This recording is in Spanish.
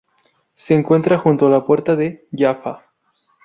Se encuentra junto a la puerta de Jaffa.